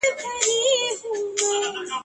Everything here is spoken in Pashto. زه او ته به هم په لاره کي یاران سو ..